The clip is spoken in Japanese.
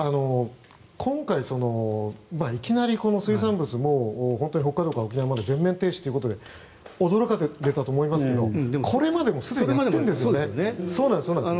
今回、いきなり水産物北海道から沖縄まで全面停止ということで驚かれたと思いますがこれまでもすでにやっているんです。